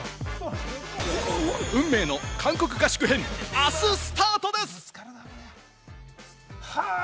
運命の韓国合宿編、あすスタートです！